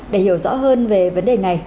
để hiểu rõ hơn về vấn đề này